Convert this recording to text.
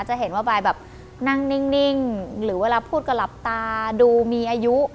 จะเห็นว่าบายแบบนั่งนิ่งหรือเวลาพูดก็หลับตาดูมีอายุ